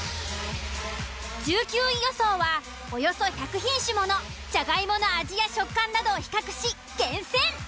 １９位予想はおよそ１００品種ものじゃがいもの味や食感などを比較し厳選。